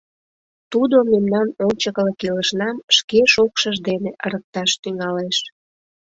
Тудо мемнан ончыкылык илышнам шке шокшыж дене ырыкташ тӱҥалеш.